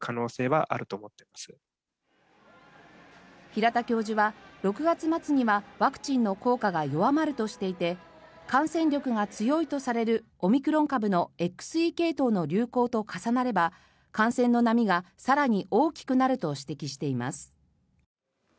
平田教授は６月末にはワクチンの効果が弱まるとしていて感染力が強いとされるオミクロン株のＸＥ系統の流行と重なれば感染の波が更に大きくなると指摘しています。